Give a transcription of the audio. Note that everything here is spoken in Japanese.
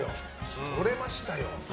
とれましたよ。